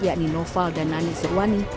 yakni noval dan nani serwani